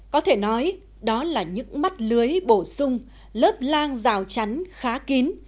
có thể nói đó là những mắt lưới bổ sung lớp lang rào chắn khá kín